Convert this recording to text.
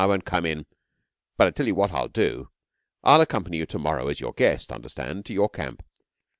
I won't come in! But I tell you what I will do. I'll accompany you to morrow as your guest, understand, to your camp.